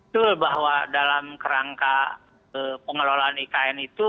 betul bahwa dalam kerangka pengelolaan ikn itu